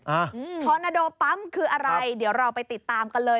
อืมทอนาโดปั๊มคืออะไรเดี๋ยวเราไปติดตามกันเลย